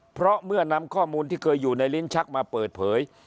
เพราะเมื่อนำข้อมูลที่เคยอยู่ในลิ้นชักมาเปิดเผย